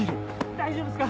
大丈夫っすか。